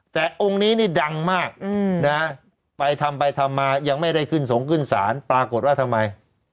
แต่องค์นี้นี่ดังมากนะไปทำไปทำมายังไม่ได้ขึ้นสงขึ้นศาลปรากฏว่าทำไม